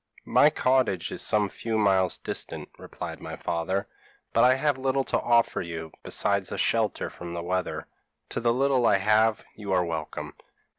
p> "'My cottage is some few miles distant,' replied my father, 'but I have little to offer you besides a shelter from the weather; to the little I have you are welcome.